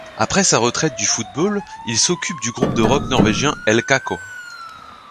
Après sa retraite du football il s'occupe du groupe de rock norvégien El Caco.